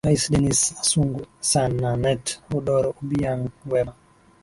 rais dennis asungwe sun na nate odoro obiang gwema